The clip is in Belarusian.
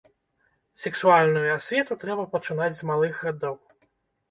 Сексуальную асвету трэба пачынаць з малых гадоў.